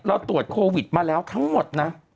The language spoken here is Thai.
เราตรวจโควิดมาแล้วทั้งหมดนะ